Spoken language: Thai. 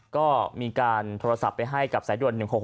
ก็มีการโทรศัพท์ไปให้กับสายด่วน๑๖๖